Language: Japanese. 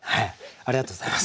ありがとうございます